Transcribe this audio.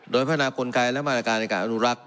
โดยพัฒนากลไกและมาตรการในการอนุรักษ์